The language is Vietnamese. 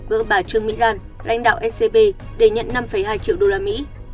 gỡ bà trương mỹ lan lãnh đạo scb để nhận năm hai triệu usd